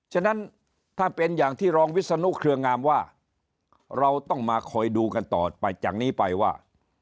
ฉะนั้นถ้าเป็นอย่างที่รองวิศนุเครืองามว่าเราต้องมาคอยดูกันต่อไปจากนี้ไปว่า